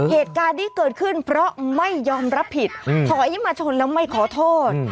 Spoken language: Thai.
เหตุการณ์นี้เกิดขึ้นเพราะไม่ยอมรับผิดถอยมาชนแล้วไม่ขอโทษ